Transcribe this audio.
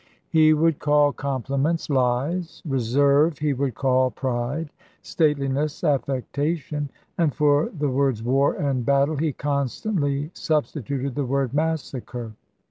He would call compliments, lies; reserve, he would call pride; stateliness, affectation; and for the words war and battle, he constantly substituted the word massacre.